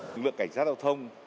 lực lượng cảnh sát giao thông